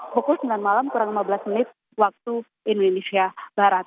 pukul sembilan malam kurang lima belas menit waktu indonesia barat